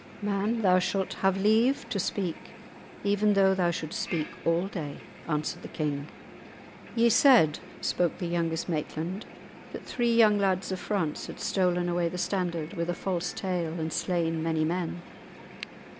"Man, thou shalt have leave to speak, even though thou shouldst speak all day," answered the king. "Ye said," spoke the youngest Maitland, "that three young lads of France had stolen away the standard with a false tale, and slain many men.